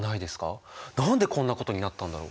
何でこんなことになったんだろう？